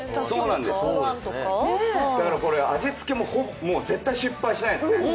そうなんです、だから、味付けも絶対失敗しないですね。